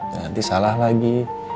nanti salah lagi